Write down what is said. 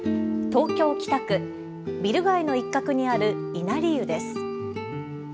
東京北区のビル街の一角にある稲荷湯です。